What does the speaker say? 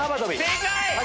正解！